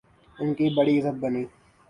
ان کی بڑی عزت بنی۔